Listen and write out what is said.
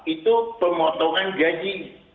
itu pemotongan gaji